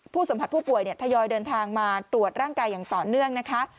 สัมผัสผู้ป่วยทยอยเดินทางมาตรวจร่างกายอย่างต่อเนื่องนะคะ